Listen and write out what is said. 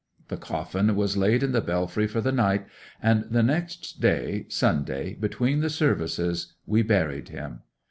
The coffin was laid in the belfry for the night, and the next day, Sunday, between the services, we buried him.